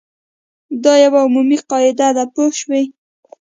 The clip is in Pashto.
دا یوه عمومي قاعده ده پوه شوې!.